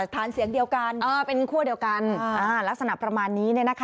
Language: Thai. ฐานเสียงเดียวกันเป็นคั่วเดียวกันลักษณะประมาณนี้